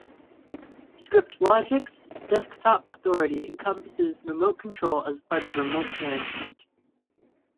Scriptlogic's Desktop Authority encompasses remote control as a part of remote management.